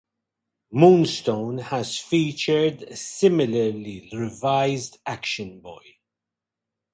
Moonstone has featured a similarly revised Action Boy.